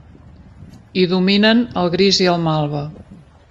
Hi dominen el gris i el malva.